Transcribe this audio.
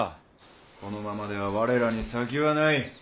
このままでは我らに先はない。